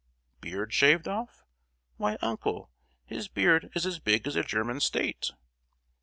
"Beard shaved off? Why, uncle, his beard is as big as a German state!"